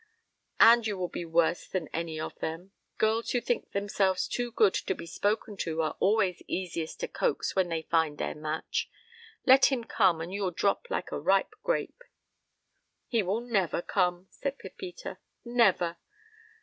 "And you will be worse than any of them. Girls who think themselves too good to be spoken to are always easiest to coax when they find their match. Let him come, and you'll drop like a ripe grape." "He will never come," said Pepita. "Never!"